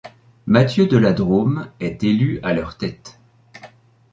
Mathieu de la Drôme est élu à leur tête.